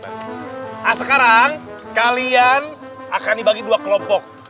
nah sekarang kalian akan dibagi dua kelompok